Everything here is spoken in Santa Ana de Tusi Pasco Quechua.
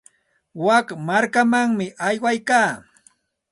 Wik markamanmi aywaykaa.